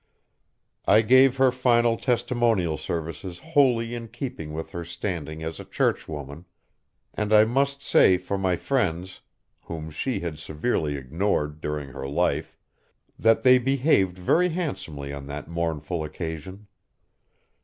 I gave her final testimonial services wholly in keeping with her standing as a church woman, and I must say for my friends, whom she had severely ignored during her life, that they behaved very handsomely on that mournful occasion.